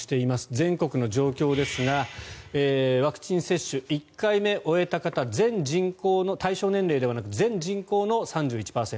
全国の状況ですがワクチン接種、１回目終えた方対象年齢ではなく全人口の３１％。